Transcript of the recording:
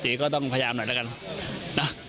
ก็ต้องพยายามหน่อยแล้วกันนะ